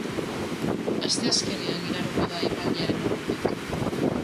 Asteazkenean igaroko da epailearen aurretik.